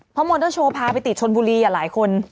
พอมอเดอร์โชว์พาไปติดชนบุรีอ่ะหลายคน